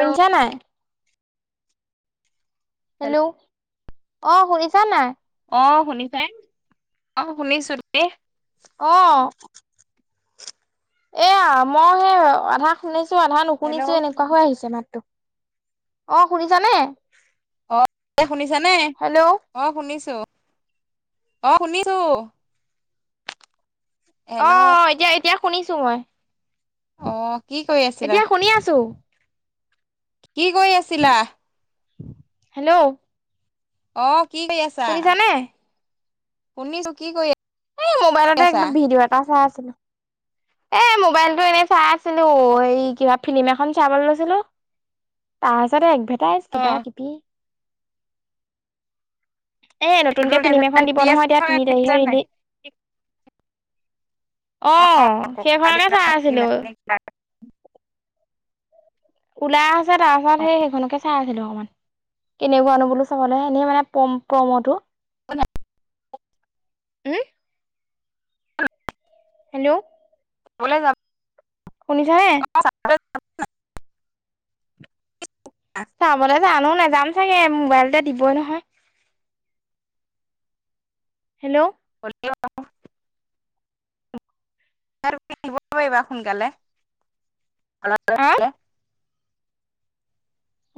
Hello নাই? Hello. অ শুনিছা নাই? অ শুনিছানে? অ শুনিছো, তুমি? অ। এয়া মই সেই আধা শুনিছো আধা হেল্ল' নুশুনিছো এনেকুৱা হৈ আহিছে মাতটো। অ' শুনিছানে? অ এ শুনিছানে? হেল্ল' অ শুনিছো অ শুনিছো। অ হেল্ল' এতিয়া এতিয়া শুনিছো মই। অ কি কৰি আছিলা? এতিয়া শুনি আছো। কি কৰি আছিলা? হেল্ল'? অ' কি কৰি আছা? শুনিছানে? শুনিছো, কি কৰি আছা? এই মোবাইলতে এ কিবা ভিডিঅ' এটা চাই আছিলো, এ মোবাইলটো এনেই চাই আছ ছিলো, এই কিবা ফিল্ম এখন চাবলৈ লৈছিলো, তাৰপিছতে এডভেট টাইজ অ কিবা কিবি। এ নতুন কে ফিল্ম এখন দিব আহিব নহয় এতিয়া তিনি তাৰিখে পাৰিবা ৰিলি অ' সেইখনকে চাই আছিলো। [unintelligible] ওলাই আছে তাৰ পাছত সেই সেইখনকে চাই আছিলো অকমান। কেনেকুৱানো বোলো চাবলে এনেই মানে প্ৰম প্ৰম'টো। কোনে উমম হেল্ল' ক'লৈ যাব শুনিছানে। [unintelligible] চাবলৈ জানো নেজাম চাগে মোবাইলতে দিবই নহয়। হেল্ল' হলেও আৰু [unintelligible] দিব পাৰিবা সোনকালে অ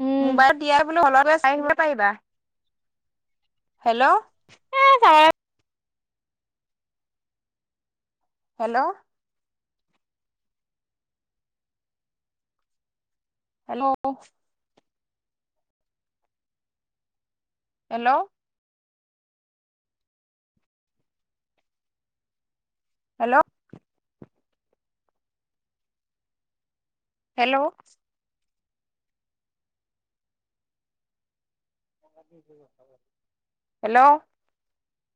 উম মোবাইলত দিয়ে বোলো হলতে চাই আহিব পাৰিবা হেল্ল'। [unintelligible] হেল্ল'। হেল্ল ক হেল্ল'। হেল্ল'। হেল্ল'। হেল্ল